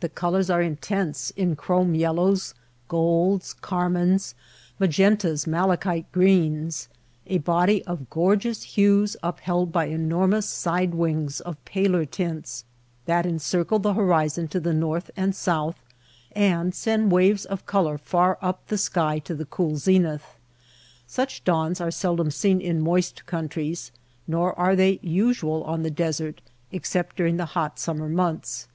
The colors are intense in chrome yellows, golds, car mines, magentas, malachite greens — a body of gorgeous hues upheld by enormous side wings of paler tints that encircle the horizon to the north and south, and send waves of color far up the sky to the cool zenith. Such dawns are sel dom seen in moist countries, nor are they usual on the desert, except during the hot summer months.